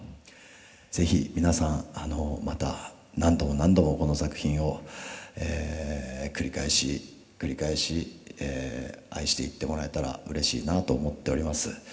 是非皆さんまた何度も何度もこの作品を繰り返し繰り返し愛していってもらえたらうれしいなと思っております。